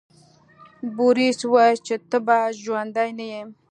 بوریس وویل چې ته به ژوندی نه یې.